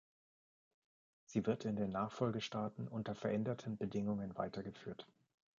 Sie wird in den Nachfolgestaaten unter veränderten Bedingungen weitergeführt.